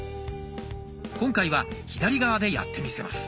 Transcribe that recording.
今回は左側でやってみせます。